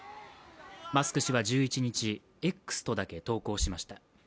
マスク氏は１１日、「Ｘ」とだけ投稿しました